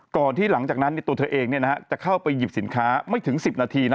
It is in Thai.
ก่อนที่หลังจากนั้นเนี่ยตัวเธอเองเนี่ยนะฮะจะเข้าไปหยิบสินค้าไม่ถึงสิบนาทีนะ